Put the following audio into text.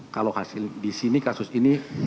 kalau hasil di sini kasus ini